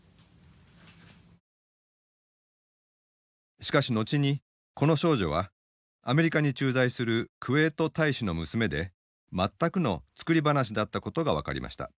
しかし後にこの少女はアメリカに駐在するクウェート大使の娘で全くの作り話だったことが分かりました。